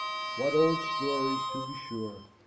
What old stories, to be sure!